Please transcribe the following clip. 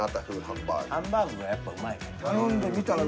ハンバーグがやっぱうまいもんな。